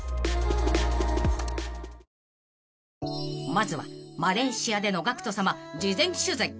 ［まずはマレーシアでのＧＡＣＫＴさま事前取材］